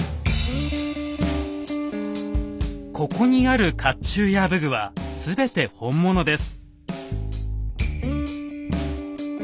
ここにある甲冑や武具は全て本物です。